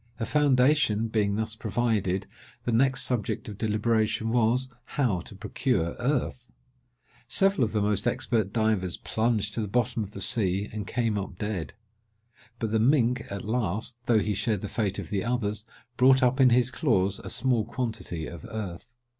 A foundation being thus provided, the next subject of deliberation was, how to procure earth. Several of the most expert divers plunged to the bottom of the sea, and came up dead; but the mink, at last, though he shared the fate of the others, brought up in his claws a small quantity of earth.